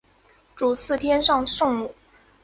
主祀天上圣母。